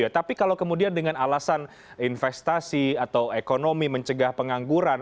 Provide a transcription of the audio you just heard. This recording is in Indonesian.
tapi kalau kemudian dengan alasan investasi atau ekonomi mencegah pengangguran